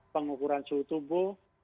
pengukuran suhu tubuh